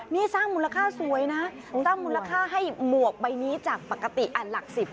นี่สร้างมูลค่าสวยนะสร้างมูลค่าให้หมวกใบนี้จากปกติอันหลัก๑๐